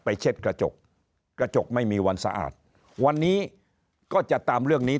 เช็ดกระจกกระจกไม่มีวันสะอาดวันนี้ก็จะตามเรื่องนี้